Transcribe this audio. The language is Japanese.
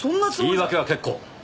言い訳は結構！